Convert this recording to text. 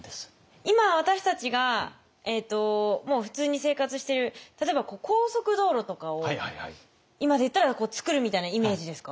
今私たちがもう普通に生活してる例えば高速道路とかを今でいったら造るみたいなイメージですか？